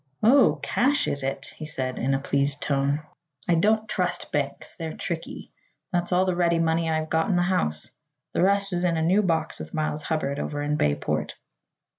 "Oh; cash, is it?" he said in a pleased tone. "I don't trust banks; they're tricky. That's all the ready money I've got in the house. The rest is in a new box with Miles Hubbard, over in Bayport."